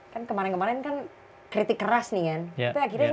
kan kemarin kemarin kan kritik keras nih kan